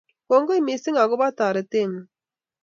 Kongoi missing' akopo taretet ng'ung.